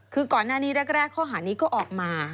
คือก่อนหน้านี้แรกข้อหานี้ก็ออกมา